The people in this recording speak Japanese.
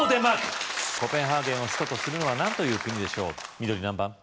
コペンハーゲンを首都とするのは何という国でしょう緑何番？